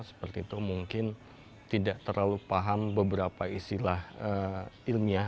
seperti itu mungkin tidak terlalu paham beberapa istilah ilmiah